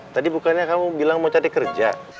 tadi bukannya kamu bilang mau cari kerja